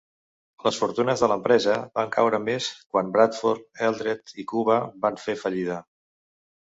Les fortunes de l'empresa van caure més quan Bradford, Eldred i Cuba van fer fallida.